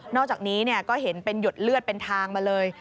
อกจากนี้ก็เห็นเป็นหยดเลือดเป็นทางมาเลย